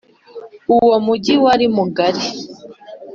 Uwo mugi wari mugari